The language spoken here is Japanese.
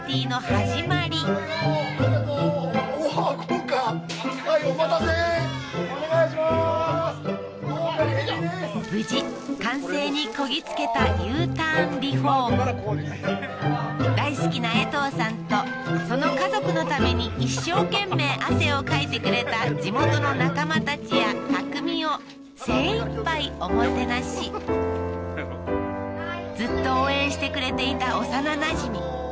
豪華にエビでーす無事完成にこぎ着けたＵターンリフォーム大好きなえとうさんとその家族のために一生懸命汗をかいてくれた地元の仲間たちや匠を精いっぱいおもてなしずっと応援してくれていた幼なじみ